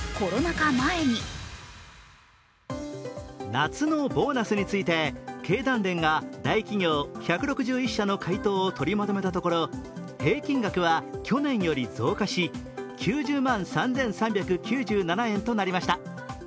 夏のボーナスについて経団連が１６１社の回答を取りまとめたところ平均額は去年より増加し、９０万３３９７円となりました。